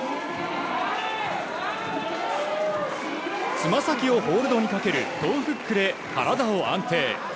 つま先をホールドにかけるトゥフックで体を安定。